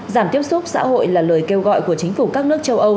giảm tiếp xúc xã hội là lời kêu gọi của chính phủ các nước châu âu